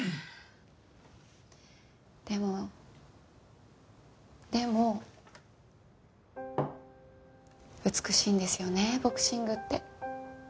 でもでも美しいんですよねボクシングって。